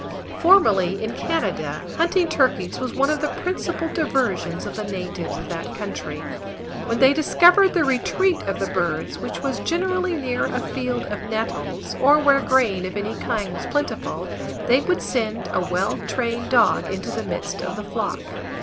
Formerly, in Canada, hunting turkeys was one of the principal diversions of the natives of that country. When they discovered the retreat of the birds, which was generally near a field of nettles, or where grain of any kind was plentiful, they would send a well trained dog into the midst of the flock.